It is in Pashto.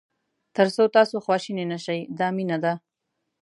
تر څو تاسو خواشینی نه شئ دا مینه ده.